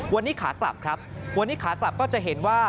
วันนี้ขากลับครับวันนี้ขากลับก็จะเห็นว่า